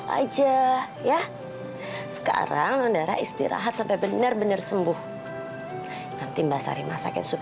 besok aja ya sekarang andara istirahat sampai bener bener sembuh nanti mbak sari masakin sup